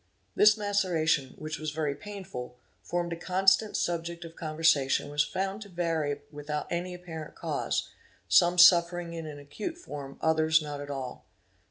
This maceration, which was very painful, formed a constant subject of conversation and was found to vary without any apparent cause; some suffering in an acute form, others not at all.